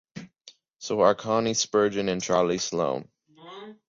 So are Connie Spurgeon and Charlie Sloane.